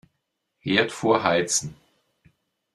Herd vorheizen.